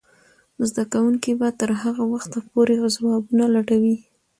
زده کوونکې به تر هغه وخته پورې ځوابونه لټوي.